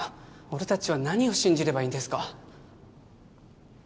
俺達は何を信じればいいんですか？